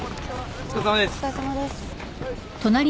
お疲れさまです。